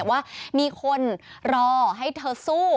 ว่ามีคนรอให้เธอสู้